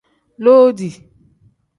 Loodi.